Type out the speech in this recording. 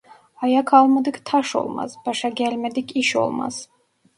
Ayak almadık taş olmaz, başa gelmedik iş olmaz.